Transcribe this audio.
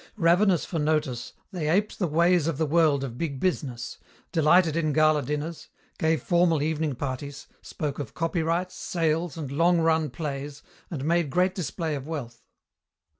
Ravenous for notice they aped the ways of the world of big business, delighted in gala dinners, gave formal evening parties, spoke of copyrights, sales, and long run plays, and made great display of wealth.